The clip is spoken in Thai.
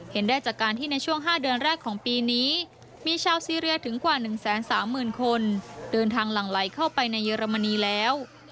ได้จากการที่ในช่วง๕เดือนแรกของปีนี้มีชาวซีเรียถึงกว่า๑๓๐๐๐คนเดินทางหลั่งไหลเข้าไปในเยอรมนีแล้ว